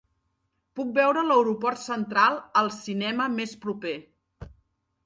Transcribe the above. Puc veure l'aeroport central al cinema més proper